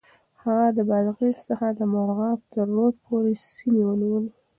هغه د بادغيس څخه د مرغاب تر رود پورې سيمې ونيولې.